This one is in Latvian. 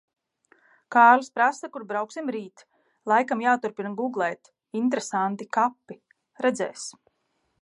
Kārlis prasa, kur brauksim rīt. Laikam jāturpina gūglēt "interesanti kapi". Redzēs.